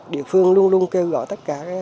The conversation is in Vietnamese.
địa phương luôn luôn kêu gọi tất cả